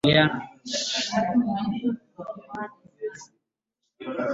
Kwenye maeneo ya kunyweshea maji na malishoni wanyama tofauti huingiliana